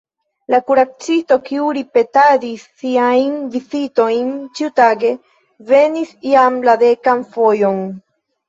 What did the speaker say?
La kuracisto, kiu ripetadis siajn vizitojn ĉiutage, venis jam la dekan fojon.